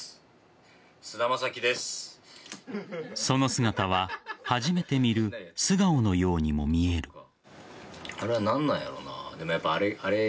その姿は、初めて見る素顔のようにも見える。